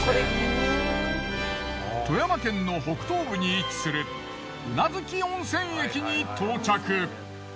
富山県の北東部に位置する宇奈月温泉駅に到着。